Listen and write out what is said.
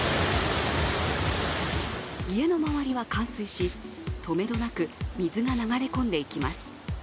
家の周りは冠水し、とめどなく水が流れ込んでいきます。